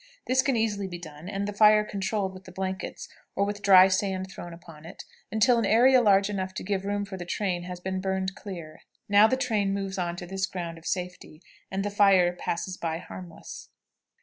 This can easily be done, and the fire controlled with the blankets, or with dry sand thrown upon it, until an area large enough to give room for the train has been burned clear. Now the train moves on to this ground of safety, and the fire passes by harmless.